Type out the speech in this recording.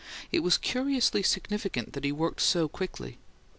It was curiously significant that he worked so quickly.